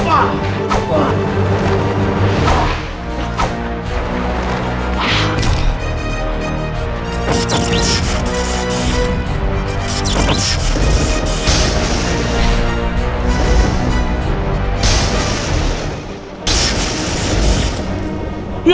aku belum mati